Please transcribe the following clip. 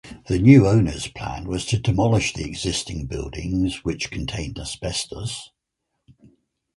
The new owners plan was to demolish the existing buildings which contained asbestos.